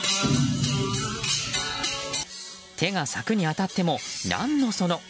手が柵に当たっても何のその。